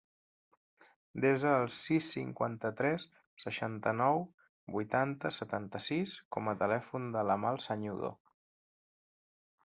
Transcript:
Desa el sis, cinquanta-tres, seixanta-nou, vuitanta, setanta-sis com a telèfon de l'Amal Sañudo.